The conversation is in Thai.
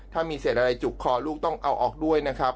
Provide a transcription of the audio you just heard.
ถ้ามีเศษอะไรจุกคอลูกต้องเอาออกด้วยนะครับ